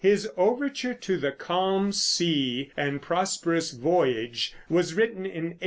His overture to "The Calm Sea and Prosperous Voyage" was written in 1828.